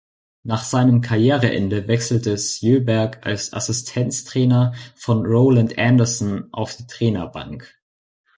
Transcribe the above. Nach seinem Karriereende wechselte Sjöberg als Assistenztrainer von Roland Andersson auf die Trainerbank.